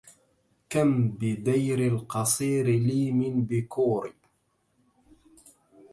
كم بدير القصير لي من بكور